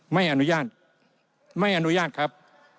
ไม่อนุญาตไม่อนุญาตครับ